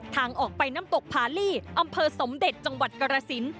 ทางออกไปน้ำตกพาลีอำเภอสมเด็จจังหวัดกรสิน